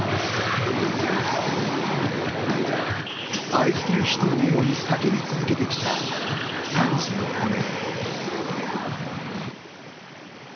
愛する人を思い、叫び続けてきた３５年。